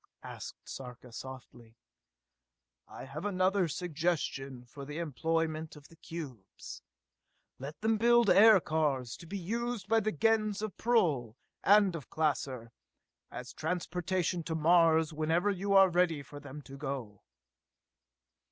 said Sarka softly. "I have another suggestion for the employment of the cubes! Let them build aircars to be used by the Gens of Prull and of Klaser, as transportation to Mars whenever you are ready for them to go!"